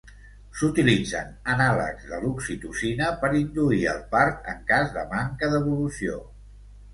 S'utilitzen anàlegs de l'oxitocina per induir el part en cas de manca d'evolució.